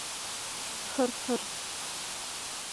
Хр-хр!..